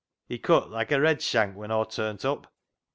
He cut loike a redshank when Aw turnt up."